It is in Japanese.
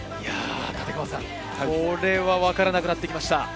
これはわからなくなってきました。